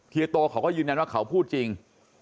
เฮีโตเขาก็ยืนยันว่าเขาพูดจริง